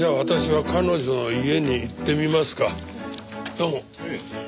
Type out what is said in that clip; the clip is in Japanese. どうも。